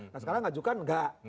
nah sekarang ngajukan enggak